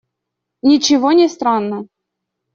Ничего не странно.